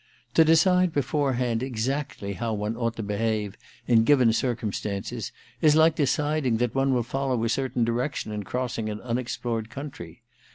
To decide beforehand exactly how one ought to behave in given circumstances is like deciding that one will follow a certain direction in crossing an unexplored country.